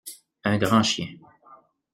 Un grand chien.